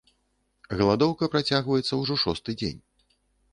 Галадоўка працягваецца ўжо шосты дзень.